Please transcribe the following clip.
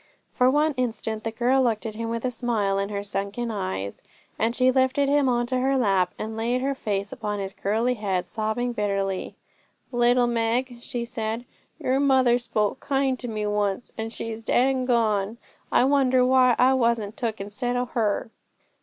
For one instant the girl looked at him with a smile in her sunken eyes, and then she lifted him on to her lap, and laid her face upon his curly head, sobbing bitterly. 'Little Meg,' she said, 'your mother spoke kind to me once, and now she's dead and gone. I wonder why I wasn't took instead o' her?'